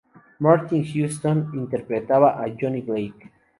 Martin Huston interpretaba a Johnny Blake.